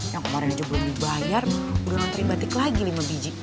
yang kemarin aja belum dibayar udah nanti ribetik lagi lima biji